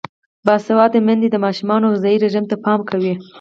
باسواده میندې د ماشومانو غذايي رژیم ته پام کوي.